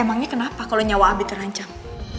emangnya kenapa kalau nyawa abi terancam